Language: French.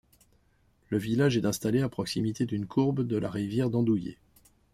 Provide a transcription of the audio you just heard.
Le village est installé à proximité d’une courbe de la rivière d’Andouillé.